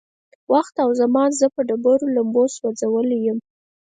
وخت او زمان زه په ډېرو لمبو سوځولی يم.